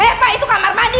eh pak itu kamar mandi